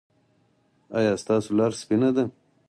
ایا ستاسو لاره سپینه ده؟